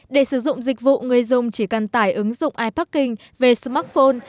để sử dụng dịch vụ người dùng chỉ cần tải ứng dụng iparking về smartphone